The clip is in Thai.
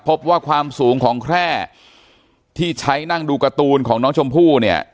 พบว่าความสูงของแคร่ที่ใช้นั่งดูการ์ตูนของน้องชมพู่เนี่ย